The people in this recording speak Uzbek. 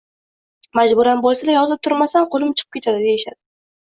majburan bo‘lsa-da, yozib turmasam, “qo‘lim chiqib ketadi” deyishadi.